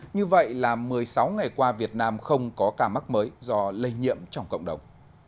như vậy là một mươi sáu ngày qua việt nam không có ca mắc mới do lây nhiễm trong cộng đồng